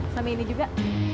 sama ini juga